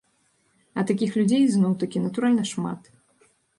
А такіх людзей зноў-такі натуральна шмат.